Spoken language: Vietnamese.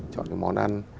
chọn cái món ăn